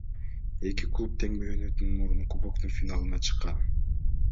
Эки клуб тең мөөнөтүнөн мурун Кубоктун финалына чыккан.